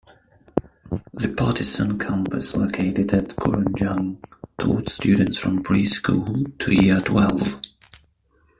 The Patterson campus, located at Kurunjang, taught students from pre-school to Year Twelve.